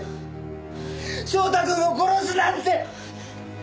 翔太くんを殺すなんて！